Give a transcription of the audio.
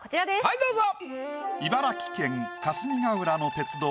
はいどうぞ！